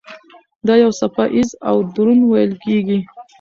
دا یو څپه ایز او دروند ویل کېږي.